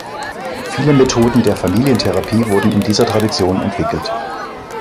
Viele Methoden der Familientherapie wurden in dieser Tradition entwickelt.